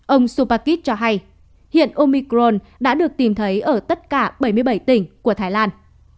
ông supakit cho hay hiện omicron đã được tìm thấy ở tất cả bảy mươi bảy tỉnh của thái lan